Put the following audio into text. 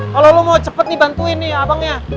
kalau lo mau cepet nih bantuin nih abangnya